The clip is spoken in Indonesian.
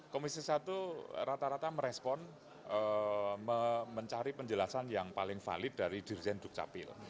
komisi satu rata rata merespon mencari penjelasan yang paling valid dari dirjen dukcapil